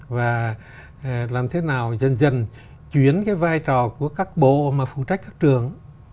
và làm thế nào dần dần chuyển cái vai trò của các bộ mà phụ trách các trường